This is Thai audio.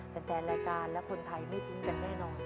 แฟนรายการและคนไทยไม่ทิ้งกันแน่นอน